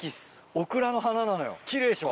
オクラの花なのよ奇麗でしょ。